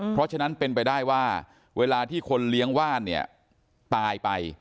เพราะฉะนั้นเป็นไปได้ว่าเวลาที่คนเลี้ยงว่านเนี่ยตายไป